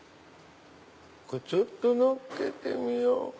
ちょっとのっけてみよう。